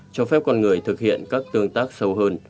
cho phép con người thực hiện các tương tác sâu hơn